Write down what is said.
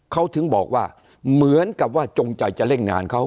เขาถึงบอกว่าเหมือนกับว่าจงใจจะเล่นงานเขา